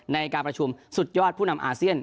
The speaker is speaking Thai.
ในการประชุมสุดยอดผู้นำอาเซียน